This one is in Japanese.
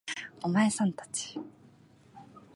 お前さん達